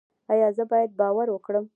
ایا زه باید باور وکړم؟